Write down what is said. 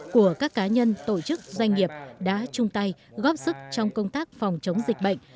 của các cá nhân tổ chức doanh nghiệp đã chung tay góp sức trong công tác phòng chống dịch bệnh